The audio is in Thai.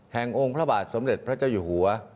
องค์พระบาทสมเด็จพระเจ้าอยู่หัว